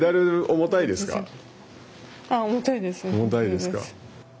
重たいです。